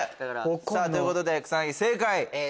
ということで草薙正解を。